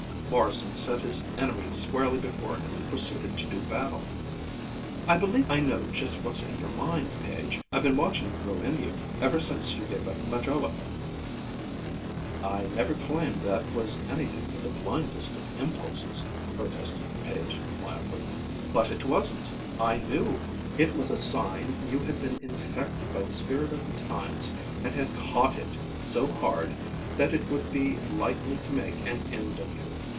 Morrison set his enemy squarely before him and proceeded to do battle. "I believe I know just what's in your mind, Page: I've been watching it grow in you, ever since you gave up majolica." "I never claimed that was anything but the blindest of impulses!" protested Page mildly. "But it wasn't. I knew! It was a sign you had been infected by the spirit of the times and had 'caught it' so hard that it would be likely to make an end of you.